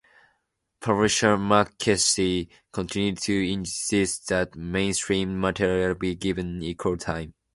Publisher McChesney continued to insist that "mainstream material" be given equal time.